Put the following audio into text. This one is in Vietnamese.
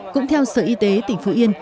cũng theo sở y tế tỉnh phú yên